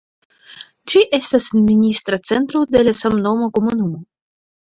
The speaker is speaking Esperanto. Ĝi estas administra centro de la samnoma komunumo.